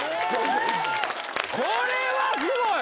これはすごい。